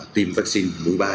tiêm vaccine mũi ba